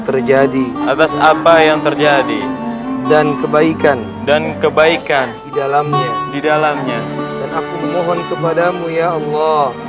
terjadi atas apa yang terjadi dan kebaikan dan kebaikan di dalamnya di dalamnya dan aku mohon kepadamu ya allah